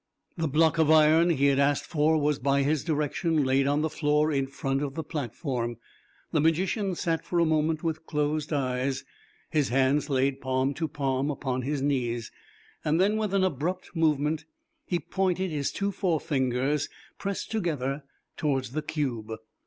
The block of iron he had asked for was by his direction laid on the floor in front of the platform. The magician sat for a moment with closed eyes, his hands laid palm to palm upon his knees. Then with an abrupt movement he pointed his two forefingers, pressed together, toward the cube.